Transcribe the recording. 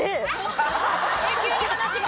急に話が。